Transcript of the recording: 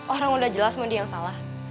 orang udah jelas mondi yang salah